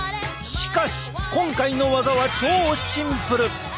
しかし今回のワザは超シンプル！